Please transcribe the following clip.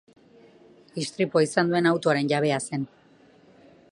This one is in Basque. Istripua izan duen autoaren jabea zen.